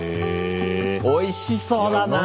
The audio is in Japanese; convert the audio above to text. おいしそうだな！